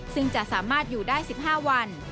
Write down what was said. ซึ่งจะสามารถอยู่ได้๑๕วัน